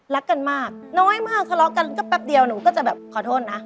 รักกันมากน้อยมากทะเลาะกันก็แป๊บเดียวหนูก็จะแบบขอโทษนะ